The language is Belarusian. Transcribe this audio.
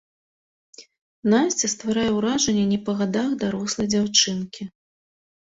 Насця стварае ўражанне не па гадах дарослай дзяўчынкі.